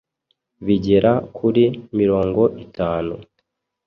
bigera kuri mirongo itanu